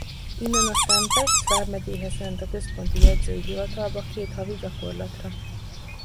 Innen aztán Pest vármegyéhez ment a központi jegyzői hivatalba két havi gyakorlatra.